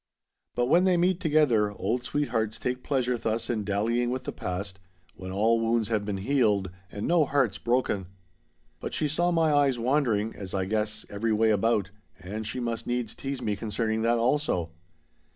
But when they meet together, old sweethearts take pleasure thus in dallying with the past, when all wounds have been healed and no hearts broken. But she saw my eyes wandering, as I guess, every way about, and she must needs tease me concerning that also.